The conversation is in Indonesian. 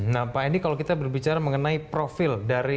nah pak endi kalau kita berbicara mengenai profil dari utang luar negeri